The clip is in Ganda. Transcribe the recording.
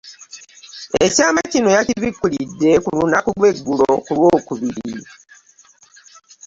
Ekyama kino yakibikkudde ku lunaku lwa ggulo ku Lwokubiri